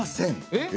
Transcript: えっ？